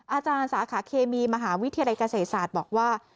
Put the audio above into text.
อาจารย์สาขาเคมีมหาวิทยาลัยเกษตรศาสตร์บอกว่า